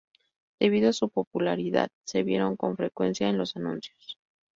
Debido a su popularidad, se vieron con frecuencia en los anuncios.